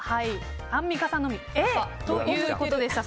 アンミカさんのみＡということでした。